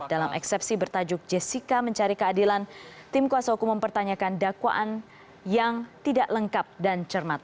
dalam eksepsi bertajuk jessica mencari keadilan tim kuasa hukum mempertanyakan dakwaan yang tidak lengkap dan cermat